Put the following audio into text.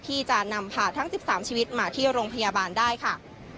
ที่จะนำผ่าทั้ง๑๓ชีวิตมาที่โรงพยาบาลได้ค่ะ